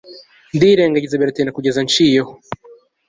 ndirengangiza biratinda kugeza anshiyeho